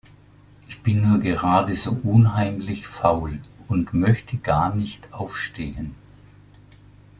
Ich bin nur gerade so unheimlich faul. Und möchte gar nicht aufstehen.